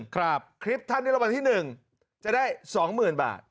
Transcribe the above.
คลิปท่านได้รางวัลที่๑จะได้๒๐๐๐บาท